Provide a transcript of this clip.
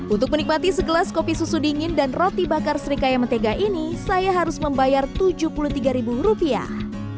untuk menikmati segelas kopi susu dingin dan roti bakar serikaya mentega ini saya harus membayar tujuh puluh tiga ribu rupiah